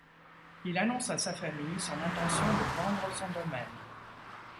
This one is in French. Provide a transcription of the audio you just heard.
Il annonce à sa famille son intention de vendre son domaine.